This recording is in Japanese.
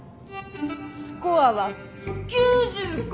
スコアは９５！